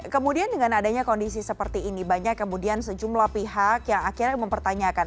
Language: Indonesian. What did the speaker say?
kemudian dengan adanya kondisi seperti ini banyak kemudian sejumlah pihak yang akhirnya mempertanyakan